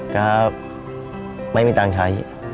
ครับไม่มีต่างไทย